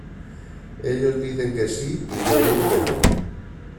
Ellos dicen que sí y yo digo que no.